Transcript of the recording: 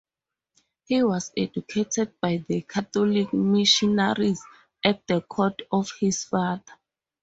He was educated by the Catholic missionaries at the court of his father.